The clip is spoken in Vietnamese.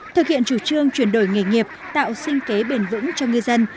thực hiện chủ trương chuyển đổi nghề nghiệp tạo sinh kế bền vững cho ngư dân